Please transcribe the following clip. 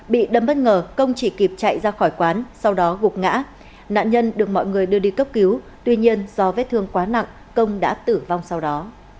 bị đâm bất ngờ công chỉ kịp chạy ra khỏi quán sau đó gục ngã nạn nhân được mọi người đưa đi cấp cứu tuy nhiên do vết thương quá nặng công đã tử vong sau đó